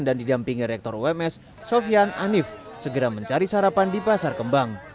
dan didampingi rektor wms sofian anif segera mencari sarapan di pasar kembang